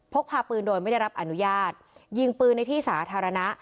กพาปืนโดยไม่ได้รับอนุญาตยิงปืนในที่สาธารณะ